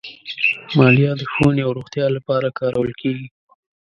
مالیه د ښوونې او روغتیا لپاره کارول کېږي.